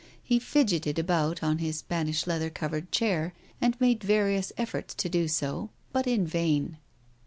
He fidgeted about on his Spanish leather covered chair, and made various efforts to do so, but in vain.